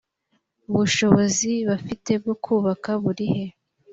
ubushobozi bafite bwo kubaka burihe